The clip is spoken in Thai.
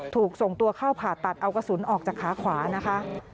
ถูกส่งตัวเข้าผ่าตัดเอากระสุนออกจากขาขวานะคะ